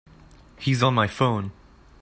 He's on my phone.